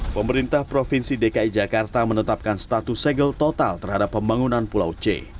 pemerintah provinsi dki jakarta menetapkan status segel total terhadap pembangunan pulau c